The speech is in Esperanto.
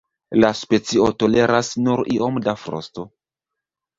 La specio toleras nur iom da frosto.